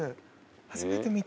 初めて見た。